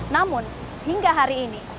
namun hingga hari ini